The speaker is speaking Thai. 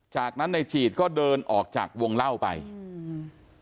จากนั้นในจีดก็เดินออกจากวงเล่าไปอืม